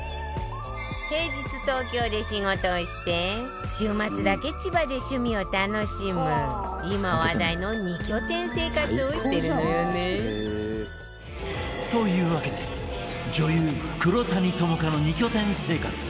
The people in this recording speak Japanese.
平日、東京で仕事をして週末だけ千葉で趣味を楽しむ今話題の２拠点生活をしているのよねえ。というわけで女優・黒谷友香の２拠点生活。